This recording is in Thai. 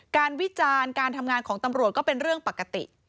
วิจารณ์การทำงานของตำรวจก็เป็นเรื่องปกติ